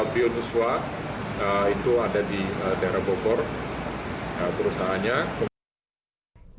bionuswa itu ada di daerah bogor perusahaannya